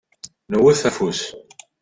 Newwet afus.